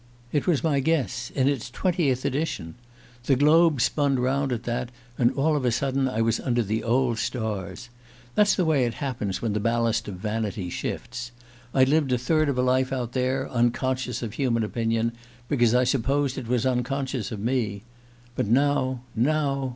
It was my guess in its twentieth edition! ... The globe spun round at that, and all of a sudden I was under the old stars. That's the way it happens when the ballast of vanity shifts! I'd lived a third of a life out there, unconscious of human opinion because I supposed it was unconscious of me. But now now!